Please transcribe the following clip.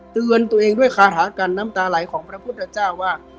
เตือนตัวเองด้วยคาถากันน้ำตาไหลของพระพุทธเจ้าว่า